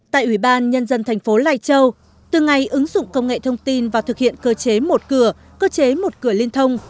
tại ủy ban nhân dân thành phố lai châu từ ngày ứng dụng công nghệ thông tin và thực hiện cơ chế một cửa cơ chế một cửa liên thông